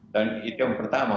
dan itu yang pertama